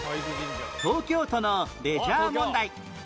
東京都のレジャー問題